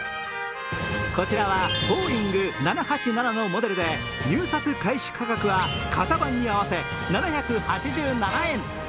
こちらはボーイング７８７のモデルで入札開始価格は型番に合わせ、７８７円。